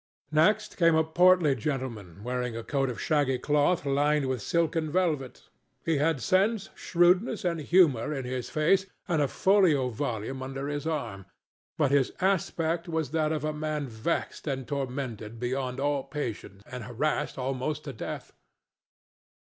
Next came a portly gentleman wearing a coat of shaggy cloth lined with silken velvet; he had sense, shrewdness and humor in his face and a folio volume under his arm, but his aspect was that of a man vexed and tormented beyond all patience and harassed almost to death.